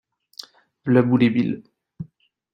V’là Boule et Bill !